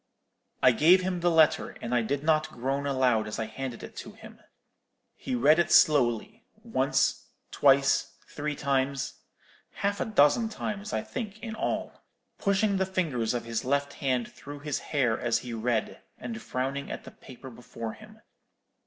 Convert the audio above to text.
"I gave him the letter; and I did not groan aloud as I handed it to him. He read it slowly, once, twice, three times—half a dozen times, I think, in all—pushing the fingers of his left hand through his hair as he read, and frowning at the paper before him.